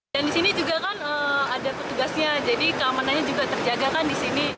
dan di sini juga kan ada petugasnya jadi keamanannya juga terjaga kan di sini